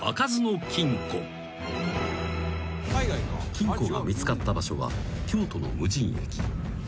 ［金庫が見つかった場所は京都の無人駅］